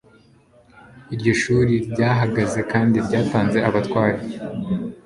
iryo shuri ryahagaze kandi ryatanze abatware